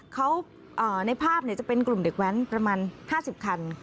เขาในภาพจะเป็นกลุ่มเด็กแว้นประมาณ๕๐คัน